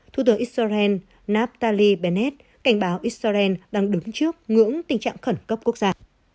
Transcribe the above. thủ tướng israel naftali bennett cảnh báo israel đang đứng trước ngưỡng tình trạng khẩn cấp quốc gia